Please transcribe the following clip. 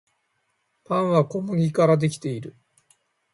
パンは小麦からできている